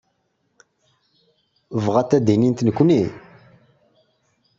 Bɣant ad d-inint nekkni?